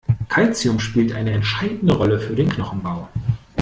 Calcium spielt eine entscheidende Rolle für den Knochenbau.